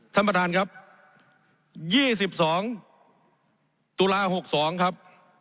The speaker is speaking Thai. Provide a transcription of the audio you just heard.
ท่านประธานครับยี่สิบสองตุลาหกสองครับ